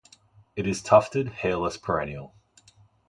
It is tufted, hairless perennial.